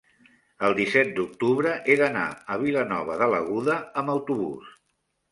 el disset d'octubre he d'anar a Vilanova de l'Aguda amb autobús.